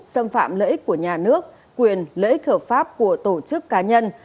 xâm phạm lợi ích của nhà nước quyền lợi ích hợp pháp của tổ chức cá nhân